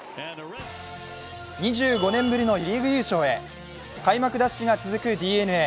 ２５年ぶりのリーグ優勝へ、開幕ダッシュが続くＤｅＮＡ。